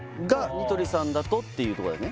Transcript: ニトリさんだとっていうとこだね？